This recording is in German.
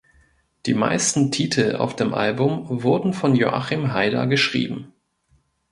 Die meisten Titel auf dem Album wurden von Joachim Heider geschrieben.